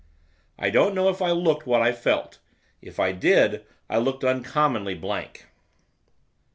I don't know if I looked what I felt, if I did, I looked uncommonly blank.